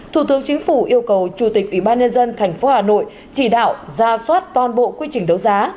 thủ tướng chính phủ yêu cầu chủ tịch ủy ban nhân dân tp hà nội chỉ đạo ra soát toàn bộ quy trình đấu giá